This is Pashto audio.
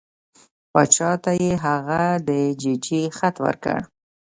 باچا ته یې هغه د ججې خط ورکړ.